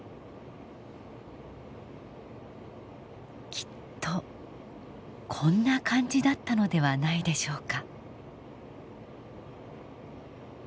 きっとこんな感じだったのではないでしょうか。